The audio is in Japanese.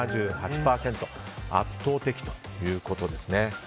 圧倒的ということです。